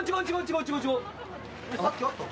さっきあった？